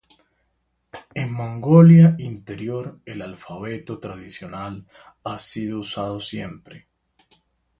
En Mongolia Interior el alfabeto tradicional ha sido usado siempre.